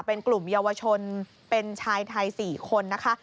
เป็นกลุ่มเยาวชนเป็นชายไทย๔คนนะคะ